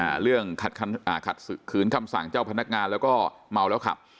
เรื่องขัดคันอ่าขัดขืนคำสั่งเจ้าพนักงานแล้วก็เมาแล้วขับ